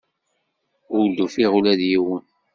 Ur d-ufiɣ ula d yiwen.